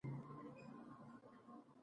د هغوی هیڅ کردار په یادولو نه ارزي.